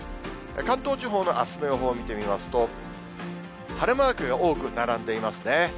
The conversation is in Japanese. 関東地方のあすの予報を見てみますと、晴れマークが多く並んでいますね。